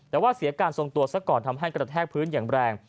แต่ว่าเสียการทรงตัวซะก่อนทำให้กระแทกพื้นอย่างแรง